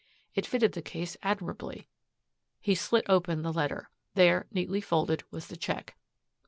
It fitted the case admirably. He slit open the letter. There, neatly folded, was the check: No.